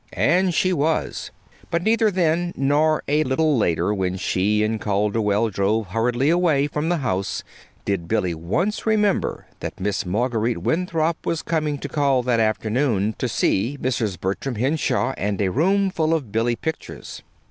And she was; but neither then, nor a little later when she and Calderwell drove hurriedly away from the house, did Billy once remember that Miss Marguerite Winthrop was coming to call that afternoon to see Mrs. Bertram Henshaw and a roomful of Billy pictures.